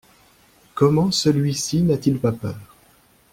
Comment celui-ci n'a-t-il pas peur?